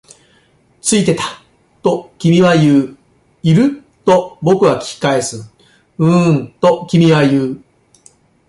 ついてた、と君は言う。いる？と僕は聞き返す。ううん、と君は言う。